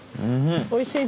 おいしい！